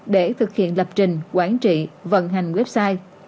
để thực hiện lập trình quản trị vận hành website